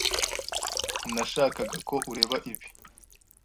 Nashakaga ko ureba ibi.